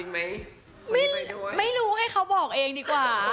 ไม่ได้เลย